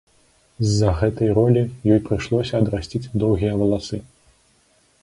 З-за гэтай ролі ёй прыйшлося адрасціць доўгія валасы.